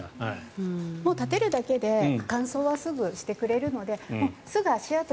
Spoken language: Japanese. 立てるだけで乾燥はすぐしてくれるので。